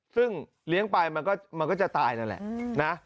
ซึ่งเลี้ยงไปมันก็จะตายนั่นแหละนะ